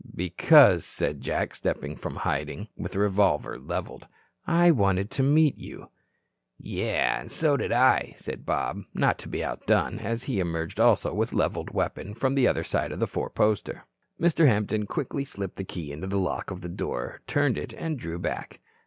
"Because," said Jack, stepping from hiding, with revolver leveled, "I wanted to meet you." "Yes, and so did I," said Bob, not to be outdone, as he emerged, also with leveled weapon, from the other side of the four poster. Mr. Hampton quickly slipped the key into the lock of the door, turned it and drew back.